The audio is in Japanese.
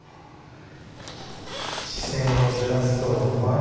視線をずらすと窓。